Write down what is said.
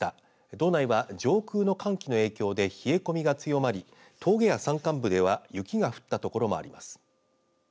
道内は上空の寒気の影響で冷え込みが強まり峠や山間部では雪が降ったところもあります。